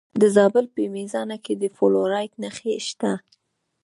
د زابل په میزانه کې د فلورایټ نښې شته.